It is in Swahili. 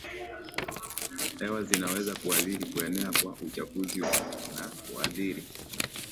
hewa zinaweza kuathiri kuenea kwa uchafuzi na kuathiri